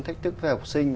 thách thức với học sinh